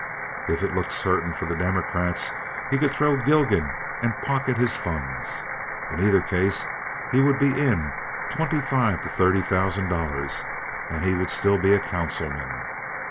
If it looked certain for the Democrats he could throw Gilgan and pocket his funds. In either case he would be "in" twenty five to thirty thousand dollars, and he would still be councilman.